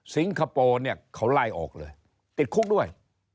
สิงคโปร์เขาไล่ออกเลยติดคุกด้วย